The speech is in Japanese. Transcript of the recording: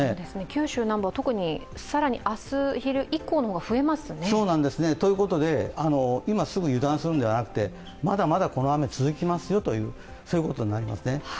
九州南部は更に明日の昼以降の方が増えますね。ということで、今、すぐ油断するのではなくて、まだまだこの雨、続きますよということになりますね。